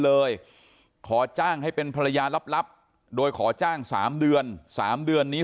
เลยขอจ้างให้เป็นภรรยาลับโดยขอจ้าง๓เดือน๓เดือนนี้